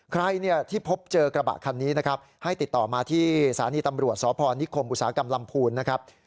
ใครที่พบเจอกระบะคันนี้นะครับให้ติดต่อมาที่สถานีตำรวจสพนิคมอุตสาหกรรมลำพูนนะครับ